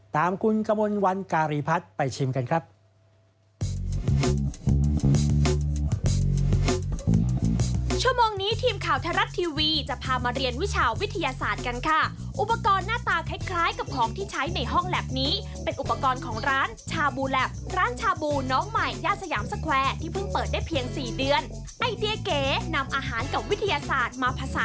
ตามคุณกมลวันการีพัฒน์ไปชิมกันครับ